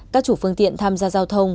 các chủ phương tiện tham gia giao thông